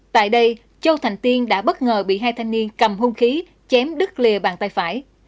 tại đây châu thành tiên đã bất ngờ bị hai thanh niên cầm hung khí chém đứt lìa bàn tay phải